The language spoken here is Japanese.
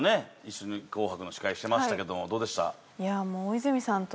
一緒に紅白の司会してましたけどもどうでした？